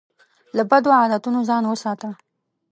له بدو عادتونو ځان وساته.